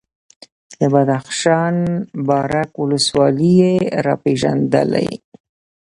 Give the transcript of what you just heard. د بدخشان بارک ولسوالي یې راپېژندلې،